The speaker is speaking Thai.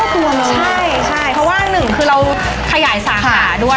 ใช่ใช่เพราะว่าหนึ่งคือเราขยายสาขาด้วย